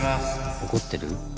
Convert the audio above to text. おこってる？